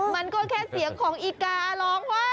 มันก็แค่เสียงของอีการ้องว่า